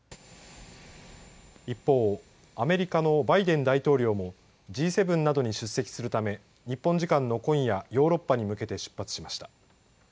一方、アメリカのバイデン大統領もＧ７などに出席するため日本時間の今夜ヨーロッパに向けて出発しました。